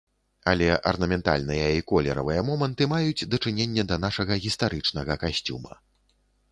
Але арнаментальныя і колеравыя моманты маюць дачыненне да нашага гістарычнага касцюма.